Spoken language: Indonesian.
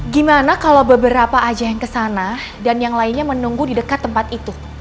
gimana kalau beberapa aja yang kesana dan yang lainnya menunggu di dekat tempat itu